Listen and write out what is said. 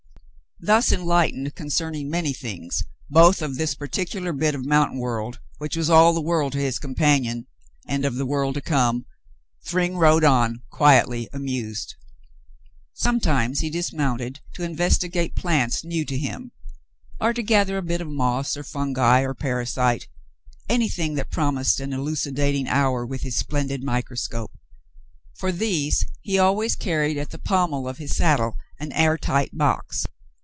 Thus enlightened concerning many things, both of this particular bit of mountain world, which was all the world to his companion, and of the world to come, Thryng rode on, quietly amused. Sometimes he dismounted to investigate plants new to him, or to gather a bit of moss or fungi or parasite — any thing that promised an elucidating hour with his splendid microscope. For these he always carried at the pommel of his saddle an air tight box.